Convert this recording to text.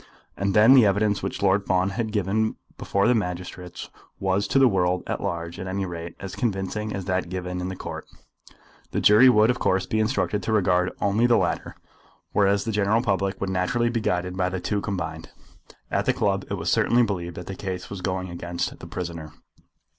And then the evidence which Lord Fawn had given before the magistrates was to the world at large at any rate as convincing as that given in the Court. The jury would, of course, be instructed to regard only the latter; whereas the general public would naturally be guided by the two combined. At the club it was certainly believed that the case was going against the prisoner.